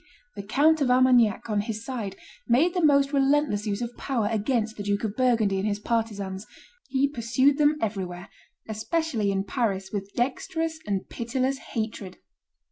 The Count of Armagnac, on his side, made the most relentless use of power against the Duke of Burgundy and his partisans; he pursued them everywhere, especially in Paris, with dexterous and pitiless hatred.